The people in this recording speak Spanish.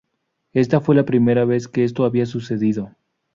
Esta fue la primera vez que esto había sucedido.